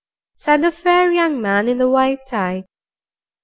said the fair young man in the white tie.